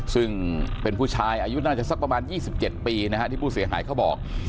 ซึ่งเป็นผู้ชายอายุน่าจะสักประมาณ๒๗ปีนะฮะที่ผู้เสียหายเขาบอก